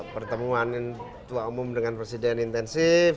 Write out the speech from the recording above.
pertemuan ketua umum dengan presiden intensif